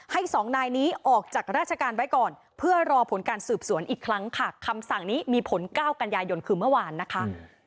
สองนายนี้ออกจากราชการไว้ก่อนเพื่อรอผลการสืบสวนอีกครั้งค่ะคำสั่งนี้มีผล๙กันยายนคือเมื่อวานนะคะ